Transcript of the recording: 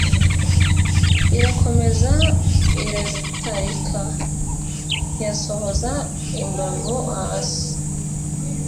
Irakomeza irazitarika :Ntiyasohoza imbavu hasi !